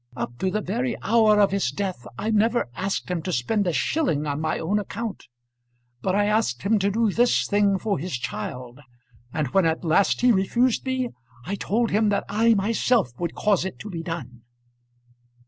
Up to the very hour of his death I never asked him to spend a shilling on my own account. But I asked him to do this thing for his child; and when at last he refused me, I told him that I myself would cause it to be done."